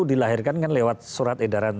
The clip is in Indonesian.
dilahirkan kan lewat surat edaran